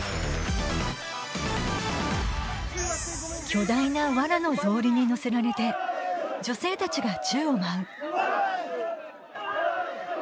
巨大なワラの草履に乗せられて女性たちが宙を舞うわっしょい！